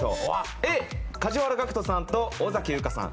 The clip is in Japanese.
Ａ、梶原岳人さんと尾崎由香さん